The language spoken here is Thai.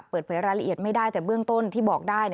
เปิดเผยรายละเอียดไม่ได้แต่เบื้องต้นที่บอกได้